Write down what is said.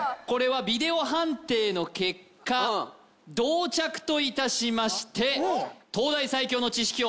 これはビデオ判定の結果同着といたしまして東大最強の知識